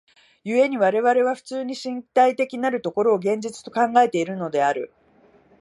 故に我々は普通に身体的なる所を現実と考えているのである。